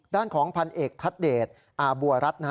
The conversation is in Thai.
ด้านของพันเอกทัศน์เดชอาบัวรัฐ